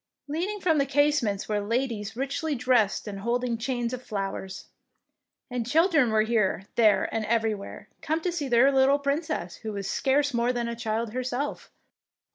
Leaning from the casements were ladies richly dressed and holding chains of flowers; and children were here, there, and everywhere, come to see their little Princess, who was scarce more than a child herself.